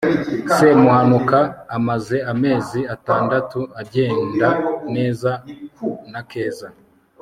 semuhanuka amaze amezi atandatu agenda neza na keza